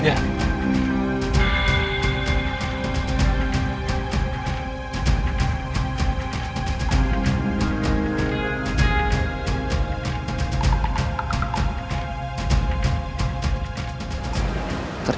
ya aku tuju